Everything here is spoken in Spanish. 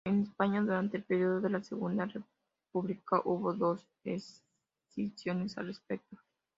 En España, durante el período de la Segunda República hubo dos escisiones al respecto.